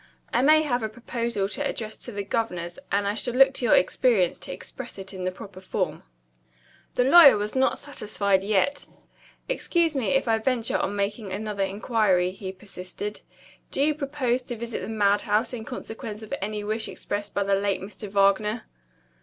"I may have a proposal to address to the governors; and I shall look to your experience to express it in the proper form." The lawyer was not satisfied yet. "Excuse me if I venture on making another inquiry," he persisted. "Do you propose to visit the madhouse in consequence of any wish expressed by the late Mr. Wagner?"